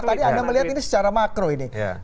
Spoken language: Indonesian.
tadi anda melihat ini secara makro ini